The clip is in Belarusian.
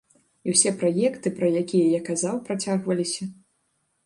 І ўсе праекты, пра якія я казаў, працягваліся.